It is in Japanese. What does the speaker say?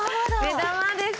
目玉です。